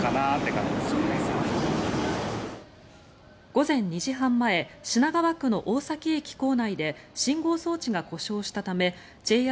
午前２時半前品川区の大崎駅構内で信号装置が故障したためＪＲ